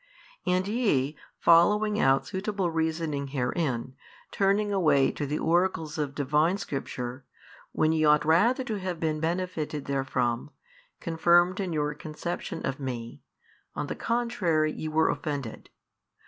And ye, following out suitable reasoning herein, turning away to the oracles of Divine Scripture, when ye ought rather to have been benefited therefrom, confirmed in your conception of Me, on the contrary ye were offended.